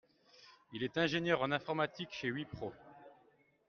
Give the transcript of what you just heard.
Il est ingénieur en informatique chez WIPRO.